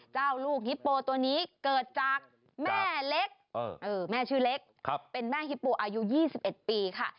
ลูกฮิปโปตัวนี้เกิดจากแม่เล็กแม่ชื่อเล็กเป็นแม่ฮิปโปอายุ๒๑ปีค่ะ